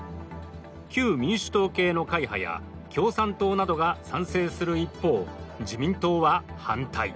旧民主党系の会派や共産党などが賛成する一方、自民党は反対。